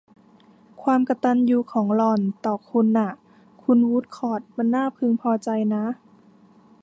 ความกตัญญูของหล่อนต่อคุณน่ะ คุณวู้ดคอร์ต มันน่าพึงพอใจนะ